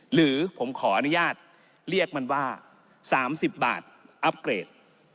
หรือผมขออนุญาตเรียกมันว่า๓๐บาทอัพเกรด